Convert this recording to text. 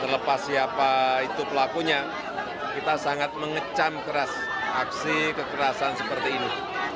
terlepas siapa itu pelakunya kita sangat mengecam keras aksi kekerasan seperti ini